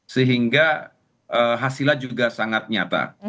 sehingga hasilnya juga sangat nyata